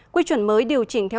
quy chuẩn mới điều chỉnh theo